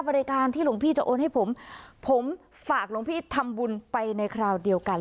บริการที่หลวงพี่จะโอนให้ผมผมฝากหลวงพี่ทำบุญไปในคราวเดียวกัน